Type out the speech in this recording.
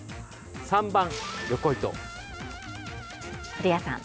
古谷さん